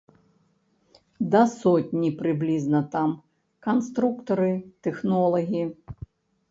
Да сотні прыблізна там, канструктары, тэхнолагі.